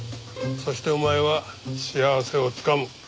そしてお前は幸せをつかむ。